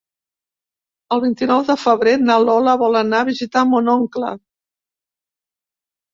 El vint-i-nou de febrer na Lola vol anar a visitar mon oncle.